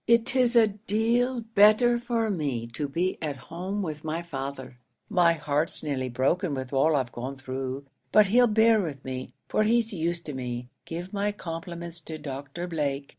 It is a deal better for me to be at home with my father; my heart's nearly broken with all I've gone through; but he'll bear with me, for he's used to me. Give my compliments to Doctor Blake.